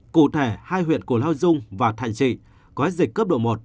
cụ thể hai huyện của lao dung và thạnh trị có hết dịch cấp độ một